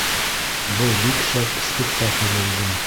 Был бик шәп спектакль булды